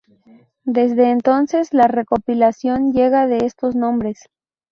Desde entonces, la recopilación lleva estos dos nombres.